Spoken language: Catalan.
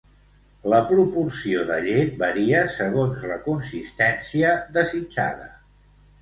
La proporció de llet varia segons la consistència desitjada.